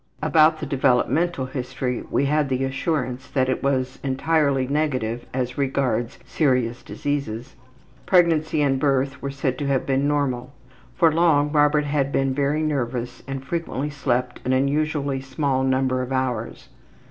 About the developmental history we had the assurance that it was entirely negative as regards serious diseases. Pregnancy and birth were said to have been normal. For long, Robert had been very nervous and frequently slept an unusually small number of hours.